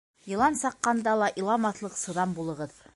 Йылан саҡҡанда ла иламаҫлыҡ сыҙам булығыҙ.